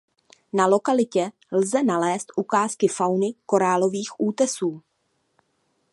Na lokalitě lze nalézt ukázky fauny korálových útesů.